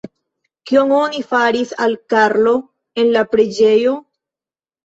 Kion oni faris al Karlo en la preĝejo?